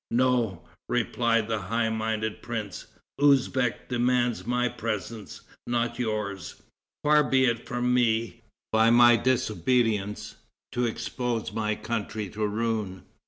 "No," replied the high minded prince; "Usbeck demands my presence not yours. Far be it from me, by my disobedience, to expose my country to ruin.